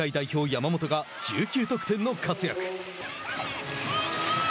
山本が１９得点の活躍。